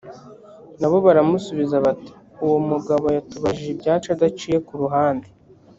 na bo baramusubiza bati uwo mugabo yatubajije ibyacu adaciye ku ruhande